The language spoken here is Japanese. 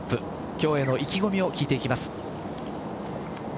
今日への意気込みを聞いていきます。